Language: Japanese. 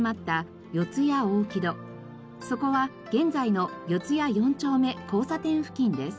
そこは現在の四谷四丁目交差点付近です。